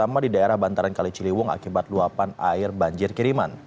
nah bantaran kali ciliwung akibat luapan air banjir kiriman